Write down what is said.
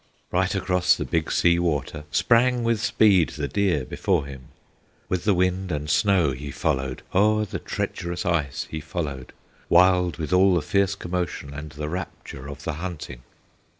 Right across the Big Sea Water Sprang with speed the deer before him. With the wind and snow he followed, O'er the treacherous ice he followed, Wild with all the fierce commotion And the rapture of the hunting.